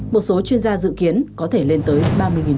một số chuyên gia dự kiến có thể lên tới ba mươi đồng một lít